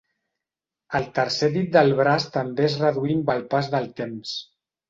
El tercer dit del braç també es reduí amb el pas del temps.